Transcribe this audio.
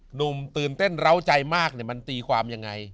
หนุ่มตื่นเต้นเล้าใจมากมันตีความยังไง